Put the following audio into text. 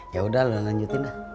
yaudah lu lanjutin dah